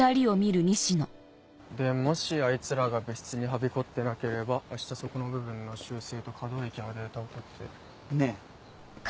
でもしあいつらが部室にはびこってなければ明日そこの部分の修正と可動域のデータを取って。ねぇ。